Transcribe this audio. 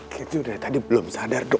kenzo dari tadi belum sadar dok